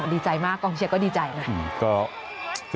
ดีใจมากกองเชียร์ก็ดีใจนะ